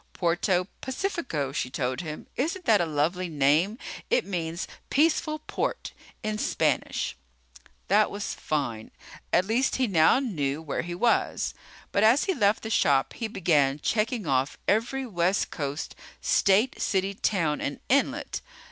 "Puerto Pacifico," she told him. "Isn't that a lovely name? It means peaceful port. In Spanish." That was fine. At least he now knew where he was. But as he left the shop he began checking off every west coast state, city, town, and inlet.